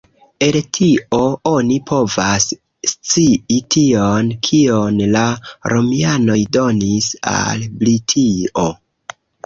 El tio oni povas scii tion, kion la Romianoj donis al Britio.